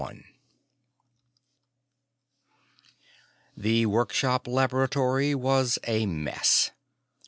_ The workshop laboratory was a mess.